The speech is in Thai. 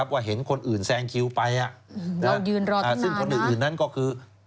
ว่าเห็นคนอื่นแซงคิวไปซึ่งคนอื่นนั้นก็คือ